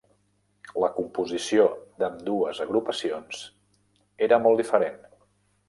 La composició d'ambdues agrupacions era molt diferent.